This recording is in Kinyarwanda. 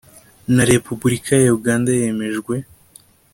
na Repubulika ya Uganda yemejwe